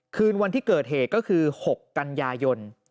คืนวันที่เกิดเหตุก็คือ๖กันยายน